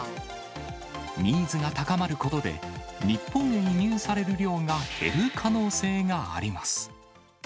ニーズが高まることで、日本へ輸入される量が減る可能性があります。